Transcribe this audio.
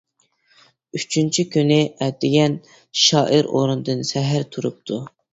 ئۈچىنچى كۈنى ئەتىگەن، شائىر ئورنىدىن سەھەر تۇرۇپتۇ.